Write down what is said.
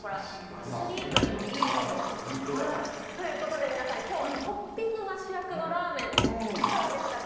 アスリートにもいいですよ。ということで皆さん、きょうはトッピングが主役のラーメン、いかがでしたか？